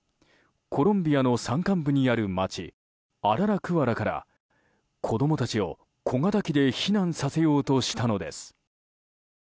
コロンビアの山間部にある町アララクアラから子供たちを小型機で避難させようとしたのです。